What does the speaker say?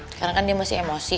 sekarang kan dia masih emosi